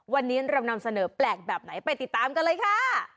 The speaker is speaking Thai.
วันนี้เรานำเสนอแปลกแบบไหนไปติดตามกันเลยค่ะ